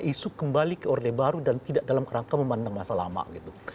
isu kembali ke orde baru dan tidak dalam kerangka memandang masa lama gitu